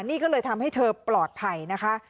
นี่ก็เลยทำให้เธอปลอดภัยนะคะ